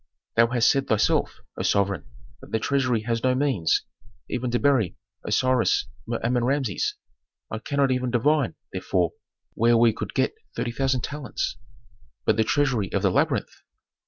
"Thou hast said thyself, O sovereign, that the treasury has no means, even to bury Osiris Mer Amen Rameses. I cannot even divine, therefore, where we could get thirty thousand talents." "But the treasury of the labyrinth."